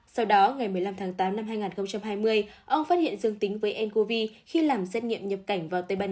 sau đó ngày một mươi năm tháng tám năm hai nghìn hai mươi ông phát hiện dương tính với ncov khi làm xét nghiệm nhập cảnh vào tây ban nha